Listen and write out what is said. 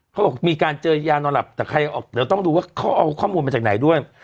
เขาบอกมีการเจอยานอนหลับแต่ใครออกเดี๋ยวต้องดูว่าเขาเอาข้อมูลมาจากไหนด้วย